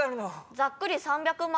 ざっくり３００万。